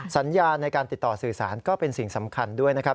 สัญญาในการติดต่อสื่อสารก็เป็นสิ่งสำคัญด้วยนะครับ